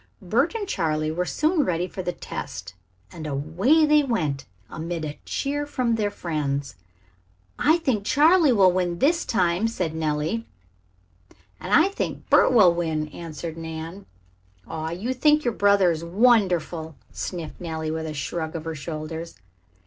Bert and Charley were soon ready for the test, and away they went amid a cheer from their friends. "I think Charley will win this time," said Nellie. "And I think that Bert will win," answered Nan. "Oh, you think your brother is wonderful," sniffed Nellie, with a shrug of her shoulders.